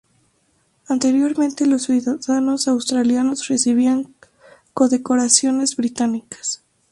Anteriormente, los ciudadanos australianos recibían condecoraciones británicas.